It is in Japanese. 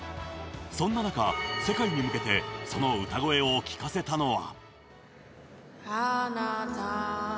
そんな中、世界に向けてその歌声を聴かせたのは。